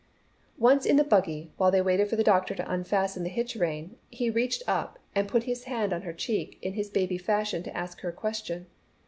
Once in the buggy, while they waited for the doctor to unfasten the hitch rein, he reached up and put his hand on her cheek in his baby fashion to ask her a question.